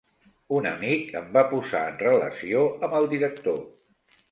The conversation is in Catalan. Un amic em va posar en relació amb el director.